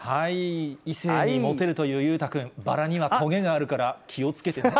異性にもてるという裕太君、バラにはとげがあるから、気をつけてね。